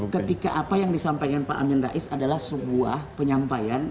ketika apa yang disampaikan pak amin rais adalah sebuah penyampaian